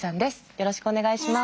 よろしくお願いします。